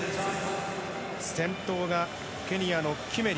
先頭がケニアのキメリ。